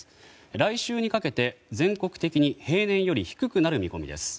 来週にかけて、全国的に平年より低くなる見込みです。